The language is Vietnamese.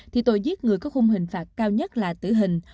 thì tội giết người có khung hình phạt cao nhất là tử hình